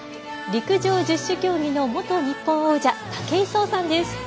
陸上１０種競技の元日本王者・武井壮さんです。